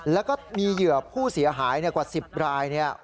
แล้วก็มีเหยื่อผู้เสียหายกว่า๑๐ราย